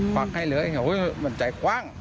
วักให้เลยมันใจคว่าง